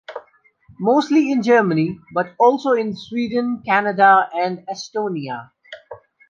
Mostly in Germany, but also in Sweden, Canada and Estonia.